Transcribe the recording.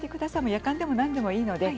やかんでも何でもいいです。